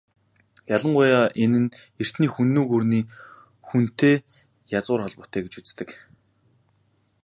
Ялангуяа энэ нэр нь эртний Хүннү гүрний "Хүн"-тэй язгуур холбоотой гэж үздэг.